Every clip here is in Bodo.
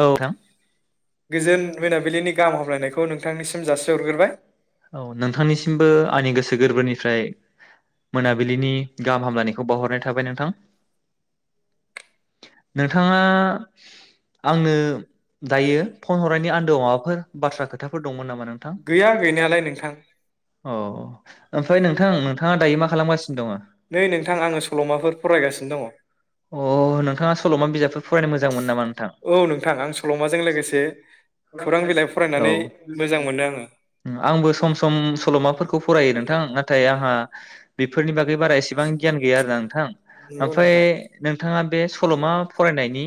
औ नोथां [unintelligible] गोजोन मोनाबिलिनि गाहाम हामलायनायखौ नोंथांनिसिम जासिहरग्रोबाय औ नोंथांनिसिमबो आंनि गोसो गोरबोनिफ्राय। मोनाबिलिनि गाहाम हामलायनायखौ बावहरनाय। थाबाय नोंथां। नोंथाङा आंनो दायो फन हरनायनि आन्दोआव माबाफोर बाथ्रा खोथाफोर दंमोन नामा नोंथां। अ। गैया गैनायालाय नोंथां ओमफ्राय नोंथां नोंथाङा दायो मा खालामगासिनो दङ। नै नोंथां आङो सल'माफोर फरायगासिनो दङ अ नोंथाङा सल'मा बिजाबफोर फरायनो मोजां मोनो नामा नोंथां? औ नोंथां आं सल'माजों लोगोसे खौरां बिलाइ औ फरायनानै मोजां मोनो आङो आंबो सम सम सल'माफोरखौ फरायो नोंथां नाथाय आंहा बेफोरनि बागै बारा एसेबां गियान गैया आरोना नोंथां नंगौ ओमफ्राय नोंथां नोंथाङा बे सल'मा फरायनायनि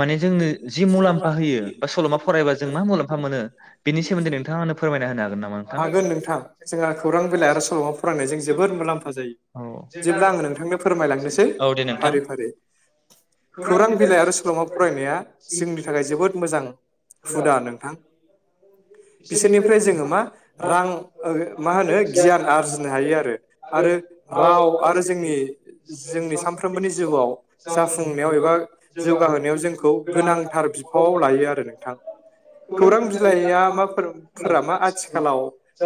माने जोंनो जि मुलाम्फा होयो बा सल'मा फरायबा जों मा मुलाम्फा मोनो बेनि सोमोन्दै नोंथाङा आंनो फोरमायना होनो हागोन नामा नोंथां हागोन नोंथां जोंहा खौरां बिलाइ आरो सल'मा फरायनायजों जोबोद मुलाम्फा जायो जेब्ला आङो नोंथांनो फोरमायलांनोसै औ दे नोंथां। फारि फारि खौरां बिलाइ आरो सल'मा फरायनाया जोंनि थाखाय जोबोद मोजां हुदा नोंथां बिसोरनिफ्राय जोङो मा रां मा होनो गियान आरजिनो हायो आरो आरो राव आरो जोंनि जोंनि सानफ्रोमबोनि जिउआव जाफुंनायाव एबा जौगाहोनायाव जोंखौ गोनांथार बिफाव लायो आरो नोंथां खौरां बिलाइया माफोरा मा आथिखालाव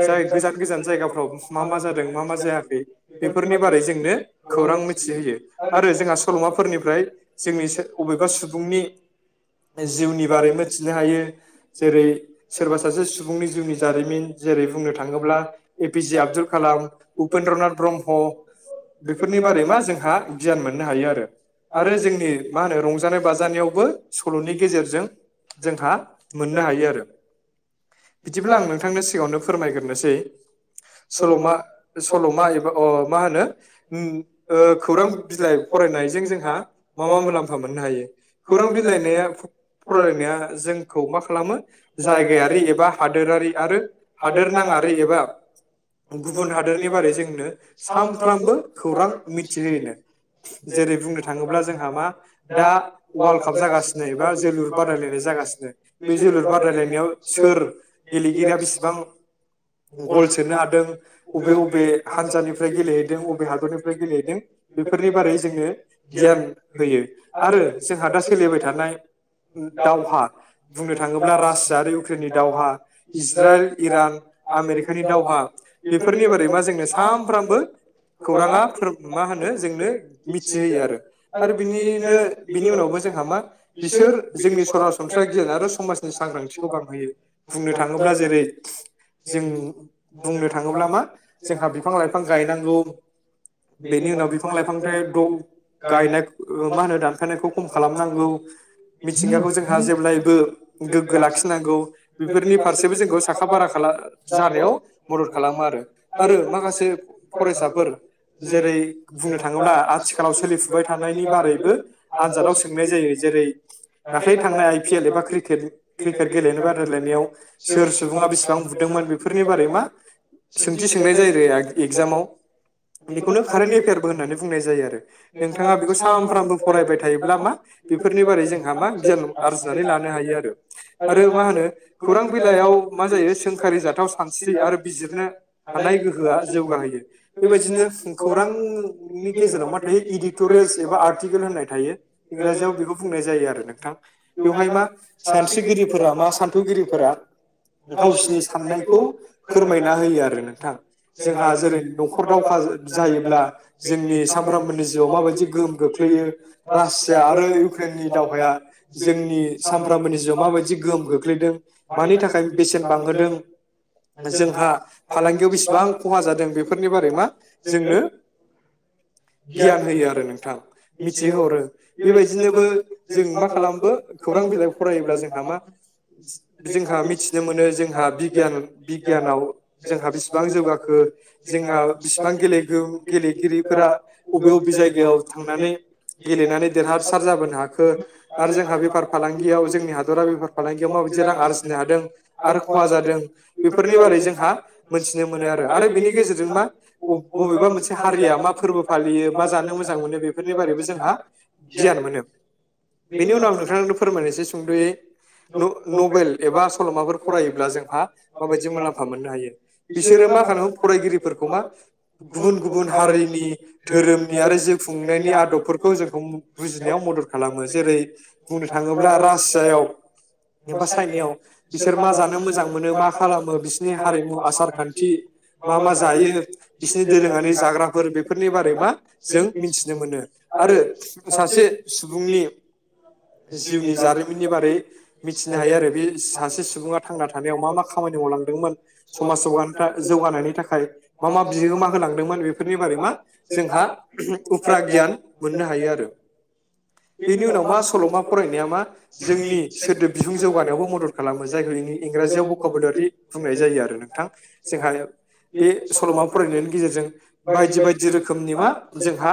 जाय गोजान गोजान जायगाफ्राव मा मा जादों मा मा जायाखै बेफोरनि बारै जोंनो खौरां मिथिहोयो आरो जोंहा सल'माफोरनिफ्राय जोंनि अबेबा सुबुं सुबुंनि जिउनि बारै मिथिनो हायो जेरै सोरबा सासे सुबुंनि जिउनि जारिमिन जेरै बुंनो थाङोब्ला ए पि जे आब्दुल कालाम उपेन्द्रना ब्रह्म बेफोरनि बारै मा जोंहा गियान मोननो हायो आरो आरो जोंनि मा होनो रंजानाय बाजानायावबो सल'नि गेजेरजों जोंहा मोननो हायो आरो बिदिब्लाब्ला आं नोंथांनो सिगाङावनो फोरमायग्रोसै सल'मा सल'मा एबा मा होनो ओ खौरां बिलाइ फरायनायजों जोंहा मा मा मुलाम्फा मोननो हायो। खौरां बिलाइनाया फरायनाया जोंखौ मा खालामो जायगायारि एबा हादोरारि आरो हादोर नाङारि एबा गुबुन हादोरनि बारै जोंनो सानफ्रामबो खौरां मिथिहोयोनो जेरै बुंनो थाङोब्ला जोंहा मा दा वार्ल्ड काप जागासिनो एबा जोलुर बादायलायनाय जागासिनो बे जोलुर बादायलायनायाव सोर गेलेगिरिया बेसेबां गल सोनो हादों अबे अबे हानजानिफ्राय गेलेहैदों अबे हादरनिफ्राय गेलेहैदों बेफोरनि बारै जोंनो गियान होयो आरो जोंहा दा सोलिबाय थानाय दावहा बुंनो थाङोब्ला रासिया आरो इउक्रेननि दावहा इज्राइल इरान आमेरिकानि दावहा बेफोरनि बारै मा जोंनो सानफ्रामबो खौराङा फोर मा होनो जोंनो मिथिहोयो आरो आरो बिनिनो बिनि उनावबो जोंहा मा बिसोर जोंनि सरासनस्रााय गियान आरो समाजनि सांग्रांथिखौ बांहोयो बुंनो थाङोब्ला जेरै जों बुंनो थाङोब्ला मा जोंहा बिफां लाइफां गायनांगौ बेनि उनाव बिफां लाइफांफ्राय द गायनाय मा होनो दा नफायनायखौ खम खालामनांगौ मिथिंगाखौ जोंहा जेब्लायबो गोग्गो लाखिनांगौ बेफोरनि फारसेबो जोंखौ साखा बारा जानायाव मदद खालामो आरो आरो माखासे फरायसाफोर जेरै बुंनो थाङोब्ला आथिखालाव सोलिफुबाय थानायनि बारैबो आनजादाव सोंनाय जायो जेरै दाखलै थांनाय आइ पि एल एबा क्रिकेट क्रिकेट गेलेनाय बादायलायनायाव सोर सुबुङा बेसेबां बुदोंमोन बेफोरनि बारै मा सोंथि सोंनाय जायो एगजामाव बेखौनो कारेन्ट एफेयारबो होननानै बुंनाय जायो आरो नोंथाङा बेखौ सानफ्रामबो फरायबाय थायोब्ला मा बेफोरनि बारै जोंहा मा गियान आरजिनानै लानो हायो आरो आरो मा होनो खौरां बिलाइयाव मा जायो सोंखारि जाथाव सानस्रि आरो बिजिरनो हानाय गोहोआ जौगाहोयो बेबायदिनो खौरांनि गेजेराव मा थायो इडिटरियेल्स एबा आर्ट आरथिकेल होन्नाय थायो। इंराजियाव बेखौ बुंनाय जायो आरो नोंथां बेवहाय मा सानस्रिगिरिफोरा मा सान्थौगिरिफोरा गावसिनि साननायखौ फोरमायना होयो आरो नोंथां जोंहा जेरै नखर दावखा जायोब्ला जोंनि सामफ्रामबोनि जिउआव माबायदि गो खोख्लैयो। रासिया आरो इउक्रेननि दावहाया जोंनि सामफ्रामबोनि जिउआव माबायदि गोहोम खोख्लैदों मानि थाखाय बेसेन बांहोदों जोंहा फालांगियाव बेसेबां खहा जादों बेफोरनि बारै मा जोंनो गियान होयो आरो नोंथां मिथि होहरो। बेबायदिनोबो जों मा खालामो खौरां बिलाइ फरायोब्ला जोंहा मा जोंहा मिथिनो मोनो जोंहा बिगियान बिगियानाव जोंहा बिसिबां जौगाखो जोंहा बिसिबां गेलेखो गेलेगिरिफोरा अबे बबे जायगायाव थांनानै गेलेनानै देरहासार जाबोनो हाखो आरो जोंहा बेफार फालांगियाव जोंनि हादरा बेफार फालांगियाव माबायदि रां आरजिनो हादों। आरो खहा जादों। बेफोरनि बारै जोंहा मोनथिनो मोनो आरो आरो बेनि गेजेरजों मा बबेबा मोनसे हारिया मा फोरबो फालियो मा जानो मोजां मोनो बे बेफोरनि बारैबो जोंहा गियान मोनो बेनि उनाव नोंथांनो फोरमायनोसै सुंदयै न' नभेल एबा सल'माफोर फरायोब्ला जोंहा माबायदि मुलाम्फा मोननो हायो बिसोरो मा खालामोन फरायगिरिफोरखौ मा गुबुन गुबुन हारिनि धोरोमनि आरो जिउ खुं नायनि आदबफोर खौ जोंखौ बुजिनायाव मदद खालामो जेरै बुंनो थाङोब्ला रासियायाव एबा चाइनायाव बिसोर मा जानो मोजां मोनो मा खालामो बिसिनि हारिमु आसार खान्थि मा मा जायो बिसिनि दोरोङारि जाग्राफोर बेफोरनि बारै मा जों मिथि जों मोननो। आरो सासे सुबुंनि जिउनि जारिमिननि बारै मिथिनो हायो आरो बे सासे सुबुङा थांना थानायाव मा मा खामानि मावलांदोंमोन समाज जौगानोथा जौगानायनि थाखाय मा मा बिहोमा होलांदोंमोन बेफोरनि बारै मा जोंहा उफ्रा गियान मोननो हायो आरो बेनि उनाव मा सल'मा फरायनाया मा जोंनि सोदोब बिहुं जौगानायावबो मदद खालामो जायखौ इंनि इंराजियावबो भकेबुलारि बुंनाय जायो आरो नोंथां जोंहा बे सल'मा फरायनायनि गेजेरजों बायदि बायदि रोखोमनि मा जोंहा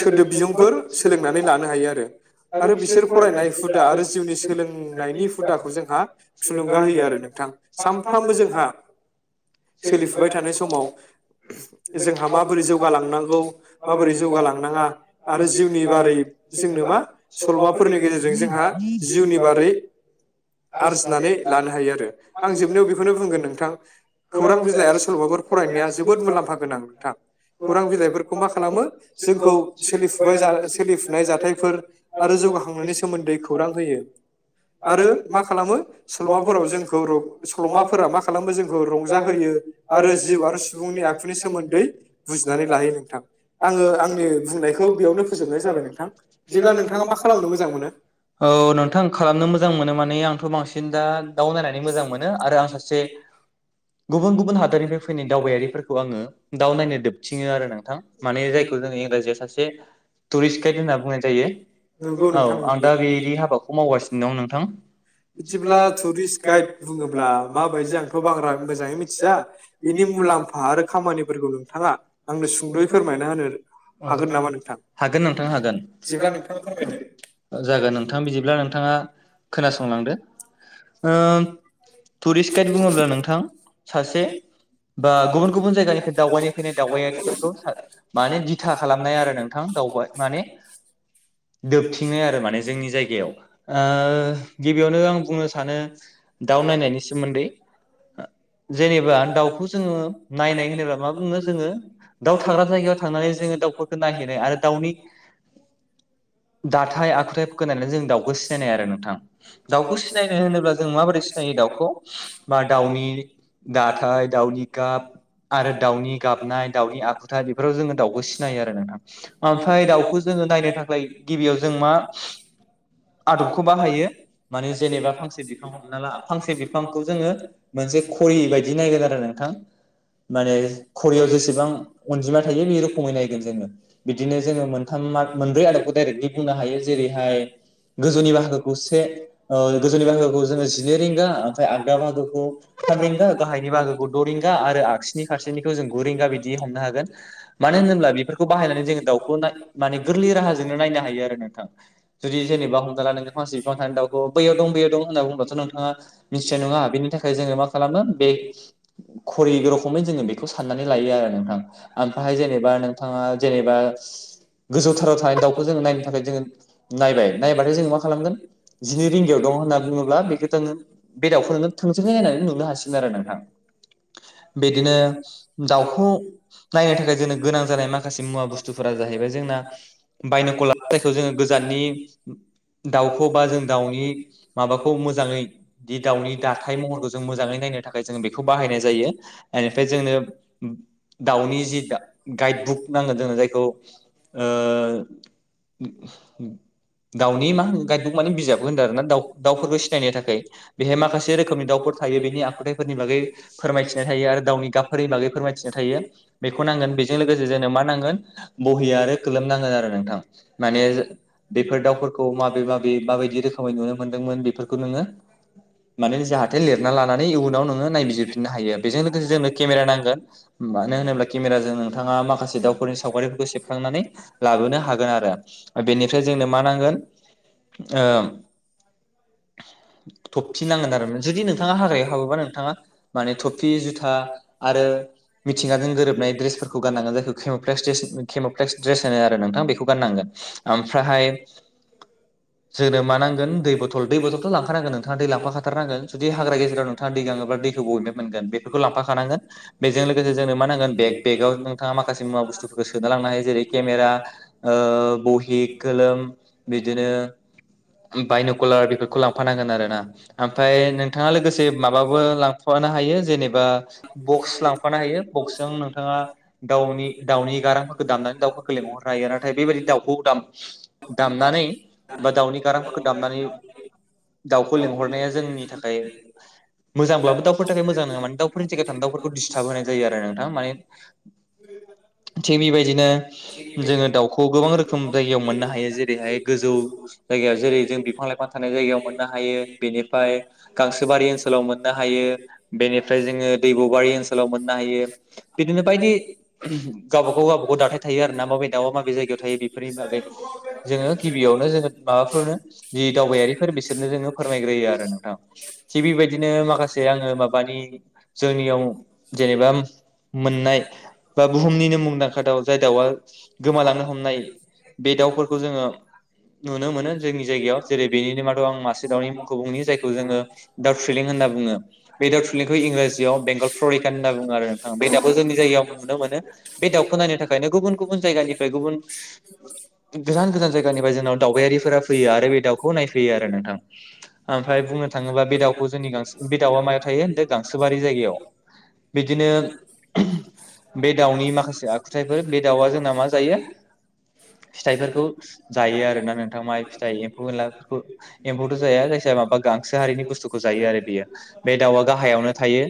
सोदोब बिजोंफोर सोलोंनानै लानो हायो आरो आरो बिसोर फरायनाय हुदा आरो जिउनि सोलोंनायनि हुदाखौ जोंहा थुलुंगा होयो आरो नोंथां सानफ्रामबो जोंहा सोलिफुबाय थानाय समाव जोंहा माबोरै जौगालांनांगौ माबोरै जौगालां नाङा आरो जिउनि बारै जोंनो मा सल'माफोरनि गेजेरजों जोंहा जिउनि बारै आरजिनानै लानो हायो आरो आं जोबनायाव बेखौनो बुंगोन नोंथां खौरां बिलाइ आरो सल'माफोर फरायनाया जोबोद मुलाम्फा गोनां नोंथां खौरां बिलाइफोरखौ मा खालामो जोंखौ सोलिफुबाय जा सोलिफुनाय जाथायफोर आरो जौगाखांनायनि सोमोन्दै खौरां होयो। आरो मा खालामो सल'माफोराव जोंखौ र' सल'माफोरा मा खालामो जोंखौ रंजाहोयो। आरो जिउ आरो सुबुंनि आखुनि सोमोन्दै बुजिनानै लाहोयो नोंथां। आङो आं जेब्ला नोंथाङा मा खालामनो मोजां मोनो औ नोंथां खालामनो मोजां मोनो माने आंथ' बांसिन दा दाउ नायनानै मोजां मोनो आरो आं सासे गुबुन गुबुन हादोरनिफ्राय फैनाय दावबायारिफोरखौ आङो दाव नायनो दोबथिङो आरो नोंथां माने जाय ओ इंराजियाव सासे टुरिस गाइद होनना बुंनाय जायो। नंगौ औ नोंथां आं दा बेदि नंगौ हाबाखौ मावगासिनो दं नोंथां। बिदिब्ला टुरिस्ट गाइड बुङोब्ला माबायदि आंथ' बांग्रा मोजाङै मिथिया बिनि मुलाम्फा आरो खामानिफोरखौ नोंथाङा आंनो सुंद'यै फोरमायना होनो हागोन नामा नोंथां? हागोन नोंथां हागोन बिदिब्ला नोंथाङा फोरमायदो। जागोन नोंथां बिदिब्ला नोंथाङा [inaudible] खोनासंलांदो। ओं टुरिस्ट गाइड बुङोब्ला नोंथां सासे बा गुबुन गुबुन जायगानिफ्राय दावबायनो फैनाय दावबायारिफोरखौ सा माने दि बिथा खालामनाय आरो नोंथां दाउबाय माने दोबथिंनाय आरो माने जोंनि जायगायाव ओ गिबियावनो आं बुंनो सानो दाउ नायनायनि सोमोन्दै ओ जेनेबा दाउखौ जोङो नायनाय होनोबा मा बुङो जोङो दाउ थाग्रा जायगायाव थांनानै ज जोङो दाउफोरखौ नागेरो आरो दाउनि दाथाय आखुथायफोरखौ नायनानै जों दाउखौ सिनायनाय आरो नोंथां। दाउखौ सिनायनो होनोब्ला जों माबोरै सिनायो दाउखौ मा दाउनि दाथाय दाउनि गाब आरो दाउनि गाबनाय दाउनि आखुथाइ बेफोराव जोङो दाउखौ सि जायो आरो नोंथां ओमफाय दाउखौ जोङो नायनो थाखाय गिबियाव जों मा आदबखौ बाहायो माने जेनेबा फांसे बिफां हमना ला फांसे बिफां खौ जोङो मोनसे खरि बायदि नागोन आरो नोंथां माने खरियाव जेसेबां अनजिमा थायो बे र खमै नायगोन जोङो बिदिनो जोङो मोन्थाम मार्ग मोनब्रै आरो दायरेकलि बुंनो हायो जेरैहाय गोजौनि बाहागोखौ से ओ गोजौनि बाहागोखौ जोङो जिनै रिंगा ओमफाय आ दा बाहागोखौ थाम रिंगा गाहायनि बागोखौ द' रिंगा आरो आगसिनि फारसेनिखौ जों गु रिंगा बिदि हमनो हागोन। मानो होनोब्ला बेफोरखौ बाहायनानै जोङो दाउखौ माने गोरलै राहाजोंनो नायनो हायो आरो नोंथां जुदि जेनेबा हमना ला नों फांसे बिफां थानाय दाउखौ बै आव दं बैयाव दं बैयाव दं होनना बुंबाथ' नोंथाङा मिथि जेनेबा बेनि थाखाय जोङो मा खालामो बे घरि रखमै जोङो बेखौ साननानै लायो आरो नोंथां जेनेबा नोंथाङा जेनेबा गोजौथाराव थानाय दाउखौ जों नायनो थाखाय जोङो नायबाय नायबाथाय जोंङो मा खालामगोन जिनै रिंगायाव दं होनना बुङोब्ला बेखौ जों बे दाउ थोंजोङै नायनानै नुनो हासिगोन आरो नोंथां बिदिनो दावउखौ नायनो थाखाय जोंनो गोनां जानाय माखासे मुवा बुस्थुफोरा जाहैबाय जोंना बायन' कलारखौ जोङो गोजाननि दाउखौ बा जों दाउनि माबाखौ मोजाङै दाउनि दाथाय महरखौ जों मोजाङै नायनो थाखाय जों बेखौ बाहायनाय जायो इनिफाय जोंनो दाउनि गाइद बुक नांगोन जोंनो जायखौ ओ [inaudible] दावनि मा होन गाइदबुक माने बिजाबखौ होनदों आरो ना दा-दाउफोरखौ सिनायनो थाखाय बेहाय माखासे रोखोमनि दाउफोर थायो बेनि आखुथायफोरनि बागै फोरमायथिनाय थायो आरो दाउनि गाबफोरनि बागै फोरमायथिनाय थायो। बेखौ नांगोन बेजों लोगोसे जोंनो मा नांगोन बहि आरो कोलोम नांगोन आरो नोंथां माने बे दाउफोरखौ माबे माबे माबायदि रोखोमै नुनो मोनदोंमोन बेफोरखौ नोङो माने जाहाथे लिरना लानानै इयुनाव नोङो नायबिजिरफिननो हायो बेजों लोगोसे जोंनो केमेरा नांगोन मानो होनोब्ला नोंथाङा माखासे दाउफोरनि सावगारिफोरखौ सेबखांनानै लाबोनो हागोन आरो बेनिफ्राय जोंनो मा नांगोन ओ थफि नांगोन आरो जुदि नोंथाङा हाग्रायाव हाबोबा नोंथाङा माने थफि जुथा आरो मिथिंगाजों गोरोब नै द्रेस फोरखौ गाननांगोन। जायखौ खेम'फ्लेस खेम' फ्लेस द्रेस होनो आरो नोंथां बेखौ गाननांगोन ओमफ्रायहाय जोंनो मा नांगोन दै बथल दै बथलथ' लांखा नांगोन नों नोंथाङा दै लांफाखाथारनांगोन जुदि हाग्रा गेजेराव नोंथाङा दै गाङोब्ला दैखौ बबेनिफ्राय मोनगोन बेफोरखौ लांफाखानांगोन बेजों लोगोसे जोंनो मा नांगोन बेग बेगाव नोंथाङा माखासे मुवा बुस्थुफोरखो सोना लांनो हायो जेरै केमेरा ओ बहि, कोलोम बिदिनो बायन'कलार बेफोरखौ लांफानांगोन। आरोना ओमफाय नोंथाङा लोगोसे माबाबो लांफानो हायो जेने बा बक्स लांफानो हायो बक्सजों नों बा दाउनि दाउनि गारांफोरखौ दामनानै दाउफोरखौ लेंहरनो हायो नाथाय बेबायदि दाउखौ दाम [inaudible] दामनानै बा दाउनि गारांफोरखौ दामनानै दाउखौ लिंहरनाया जोंनि थाखाय मोजांब्लाबो दाउफोरनि थाखाय मोजां नङा माने दाउफोरनि जायगायाव थांनानै दाउफोरखौ डिस्टाब होनाय जायो आरो नों नोंथां माने थिग बेबायदिनो जोङो दाउखौ गोबां रोखोम जायगायाव मोननो हायो जेरैहाय गोजौ जायगायाव जेरै जों बिफां लाइफां थानाय जायगायाव मोननो हायो बेनिफ्राय गांसोबारि ओनसोलाव मोननो हायो बेनिफ्राय जोङो दैबुबारि ओनसोलाव मोननो हायो बिदिनो बायदि गावबा गाव गावबा गाव दाथाय थायो आरो डड मोननाय बा बुहुमनिनो मुंदांखा दाव जाय दाउआ गोमालांनो हमनाय बे दाउफोरखौ जोङो नुनो मोनो जोंनि जायगायाव जेरै बेनिनो मादाव आं मासे दावनि मुंखौ बुंनि जायखो जोङो दाउ थ्रिलिं होनना बुंङो। बे दाउ फिलिंखो इंराजिआव बेंगल फरिक होनना बुंङो आरो नोंथां। बो जोंनि जायगायाव नुनो मोनो बे दाउखौ नायनो थाखायनो गुबुन गुबुन जायगानिफ्राय गुबुन गोजान गोजान जायगानिफ्राय जोंनाव दावबायारिफोरा फैयो आरो बे दाउखौ नायफैयो आरो नोंथां ओमफ्राय बुंनो थाङोबा बे दाउखौ जोंनि गांसो बे दाउआ मायाव थायो गांसोबारि जायगायाव बिदिनो बे दाउनि माखासे आखुथाय बे दाउआ जोंना मा जायो फिथाइफोरखौ जायो आरोना नोंथां माइ फिथाय एम्फौ एनला एम्फौथ' जाया जायखिया माबा गांसो हारिनि बुस्थुखौ जायो आरो बेयो बे दाउआ गाहायावनो थायो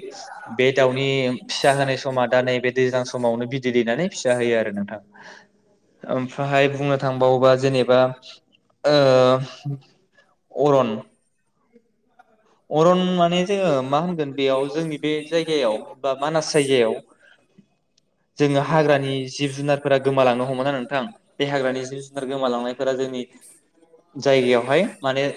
बे दाउनि फिसा होनाय समा दा नैबे दैज्लां समावनो बिदै दैनानै फि जाहोयो आरो नोंथां ओमफ्रायहाय बुंनो थांबावोबा जेनेबा ओ अरन अरन माने जोङो मा होनगोन बेयाव जोंनि बे जायगायाव बा मानास जायगायाव जोङो जोंना हाग्रानि जिब जुनारफोरा हमोना गोमालांनो नोंथां बे हाग्रानि जिब जुनार गोमालांनायफोरा जोंनि जायगायावहाय [inaudible] माने